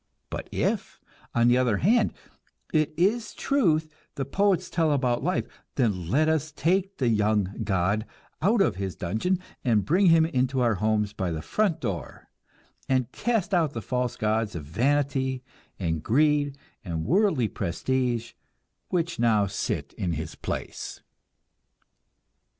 But if, on the other hand, it is truth the poets tell about life, then let us take the young god out of his dungeon, and bring him into our homes by the front door, and cast out the false gods of vanity and greed and worldly prestige which now sit in his place.